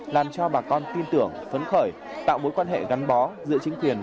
làm cho bà con tin tưởng phấn khởi tạo mối quan hệ gắn bó giữa chính quyền